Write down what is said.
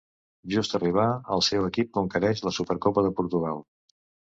Just arribar, el seu equip conquereix la Supercopa de Portugal.